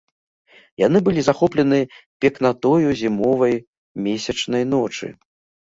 Яны былі захоплены пекнатою зімовай месячнай ночы.